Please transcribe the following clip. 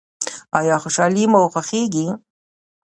ایا خوشحالي مو خوښیږي؟